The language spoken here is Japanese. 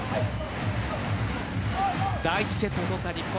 第１セット取った日本。